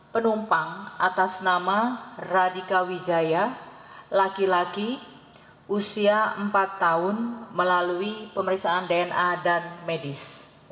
penumpang atas nama radika wijaya laki laki usia empat tahun melalui pemeriksaan dna dan medis